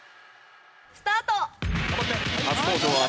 スタート！